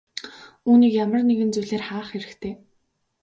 Үүнийг ямар нэгэн зүйлээр хаах хэрэгтэй.